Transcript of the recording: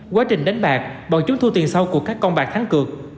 quá trình đánh bạc bọn chúng thu tiền sau của các con bạc thắng cược